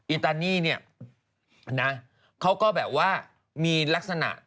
อิตานีเนี่ยนะเขาก็แบบว่ามีลักษณะ